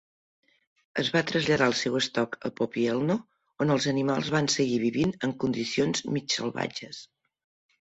Es va traslladar el seu estoc a Popielno, on els animals van seguir vivint en condicions mig salvatges.